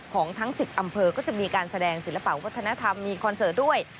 ของทั้ง๑๐อำเภอก็จะมีการแสดงศิลปะวัฒนธรรมมีคอนเสิร์ตด้วย